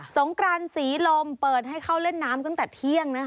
งกรานศรีลมเปิดให้เข้าเล่นน้ำตั้งแต่เที่ยงนะคะ